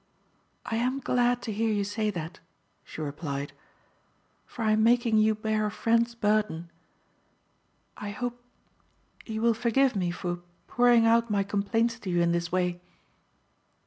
"I am glad to hear you say that," she replied, "for I am making you bear a friend's burden. I hope you will forgive me for pouring out my complaints to you in this way."